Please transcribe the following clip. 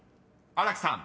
［新木さん］